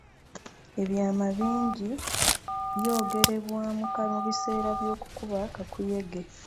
Ebyama bingi byogerebwa mu biseera by'okukuba kakuyege.